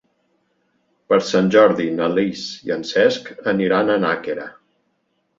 Per Sant Jordi na Lis i en Cesc aniran a Nàquera.